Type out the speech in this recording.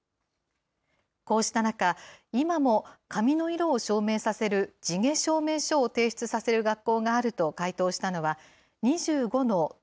こうした中、今も髪の色を証明させる地毛証明書を提出させる学校があると回答したのは２５の都